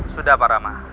sudah pak rahmat